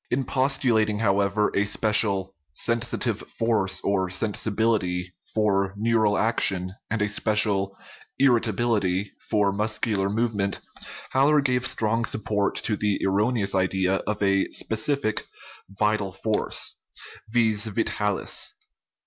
In postulating, however, a special " sensitive force or sensibility " for neural action, and a special "irritability" for muscular movement, Haller gave strong support to the erroneous idea of a specific "vital force " (vis vitalis).